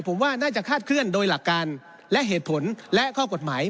ผมว่าน่าจะคาดเคลื่อนโดยหลักการและเหตุผลและข้อกฎหมาย